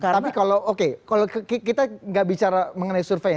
tapi kalau kita tidak bicara mengenai survei